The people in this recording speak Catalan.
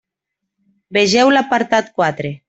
Vegeu l'apartat quatre.